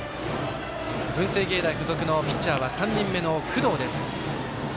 文星芸大付属のピッチャーは３人目の工藤です。